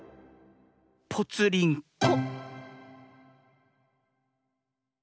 ぽつりんこ。